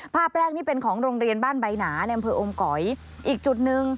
ภาพแรกนี่เป็นของโรงเรียนบ้านใบหนาในอำเภออมก๋อยอีกจุดหนึ่ง